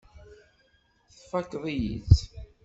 Tfakkeḍ-iyi-tt.